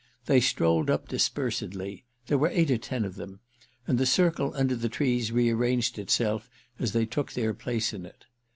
They strolled up dispersedly—there were eight or ten of them—and the circle under the trees rearranged itself as they took their place in it.